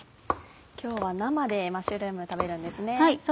今日は生でマッシュルーム食べるんですね。